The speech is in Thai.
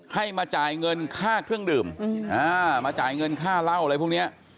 ให้มาจ่ายเงินค่าเครื่องดื่มมาจ่ายเงินค่าเหล้าอะไรพวกนี้